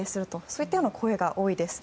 そういった声が多いです。